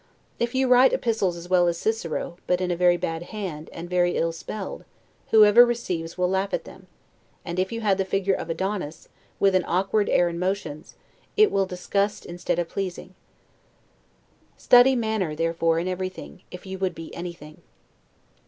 If you write epistles as well as Cicero, but in a very bad hand, and very ill spelled, whoever receives will laugh at them; and if you had the figure of Adonis, with an awkward air and motions, it will disgust instead of pleasing. Study manner, therefore, in everything, if you would be anything.